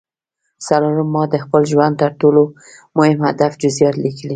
څلورم ما د خپل ژوند د تر ټولو مهم هدف جزييات ليکلي.